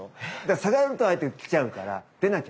下がると相手が来ちゃうから出なきゃ！